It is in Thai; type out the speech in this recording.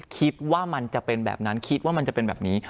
คิดว่ามันจะเป็นแบบนั้นคิดว่ามันจะเป็นแบบนี้